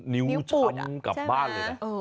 นิ้วช้ำกลับบ้านเลยนะ